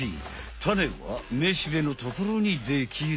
タネはめしべのところにできる。